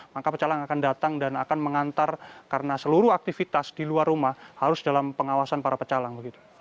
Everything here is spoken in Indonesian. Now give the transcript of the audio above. maka pecalang akan datang dan akan mengantar karena seluruh aktivitas di luar rumah harus dalam pengawasan para pecalang